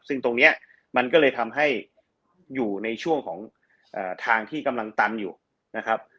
ซึ่งตรงนี้มันก็เลยทำให้อยู่ในช่วงของทางที่กำลังตันอยู่นะครับ